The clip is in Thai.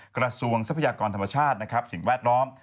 กระทรวงทรัพยากรธรรมชาตินะครับสิ่งแวดล้อม